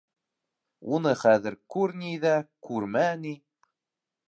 Уны хәҙер күр ни ҙә, күрмә ни...